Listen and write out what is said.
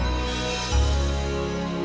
ya abis lu begitu